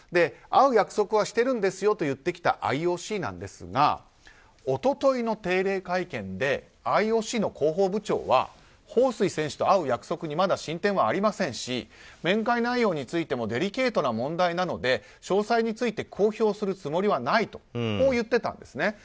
会う約束はしてるんですよと言ってきたＩＯＣですが一昨日の定例会見でＩＯＣの広報部長はホウ・スイ選手と会う約束にまだ進展はありませんし面会内容についてもデリケートな問題なので詳細について、公表するつもりはないと言っていたんですね。